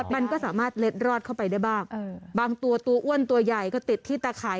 มันก็สามารถเล็ดรอดเข้าไปได้บ้างบางตัวตัวอ้วนตัวใหญ่ก็ติดที่ตะข่าย